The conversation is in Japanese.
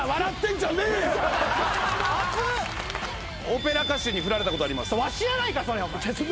オペラ歌手に振られたことあります。